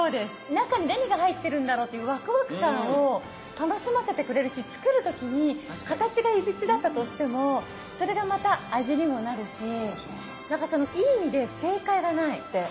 中に何が入ってるんだろうっていうワクワク感を楽しませてくれるし作る時に形がいびつだったとしてもそれがまた味にもなるし何かそのいい意味で正解がないって。